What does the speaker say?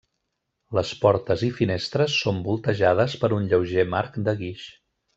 Les portes i finestres són voltejades per un lleuger marc de guix.